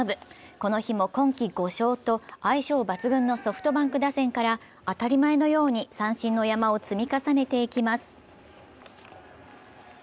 この日も今季５勝と相性抜群のソフトバンク打線から当たり前のように三振の山を積み重ねていきます。